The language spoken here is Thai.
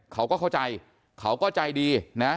เขาก็เข้าใจเขาก็ใจดีนะ